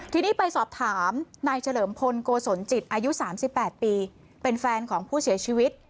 ทีนี้ไปสอบถามนายเฉลิมพลโกศลจิตอายุ๓๘ปีเป็นแฟนของผู้เสียชีวิต